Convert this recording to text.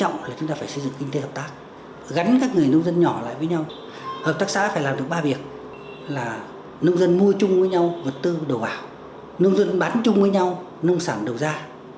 học tác xã phải làm được ba việc là nông dân mua chung với nhau vật tư đồ ảo nông dân bán chung với nhau nông sản đầu ra